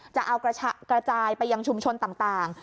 จะเอากระจายไปยังชุมชนต่าง